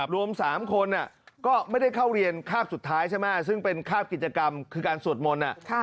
รวม๓คนก็ไม่ได้เข้าเรียนคาบสุดท้ายใช่ไหมซึ่งเป็นคาบกิจกรรมคือการสวดมนต์